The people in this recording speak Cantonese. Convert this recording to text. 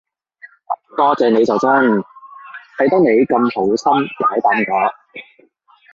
多謝你就真，係得你咁好心解答我